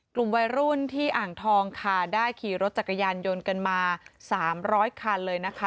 กลุ่มวัยรุ่นที่อ่างทองค่ะได้ขี่รถจักรยานยนต์กันมา๓๐๐คันเลยนะคะ